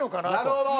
なるほど。